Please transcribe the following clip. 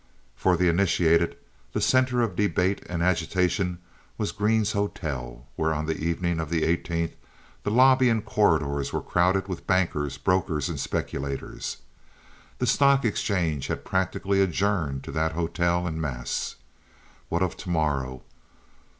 For the initiated the center of debate and agitation was Green's Hotel, where on the evening of the eighteenth the lobby and corridors were crowded with bankers, brokers, and speculators. The stock exchange had practically adjourned to that hotel en masse. What of the morrow?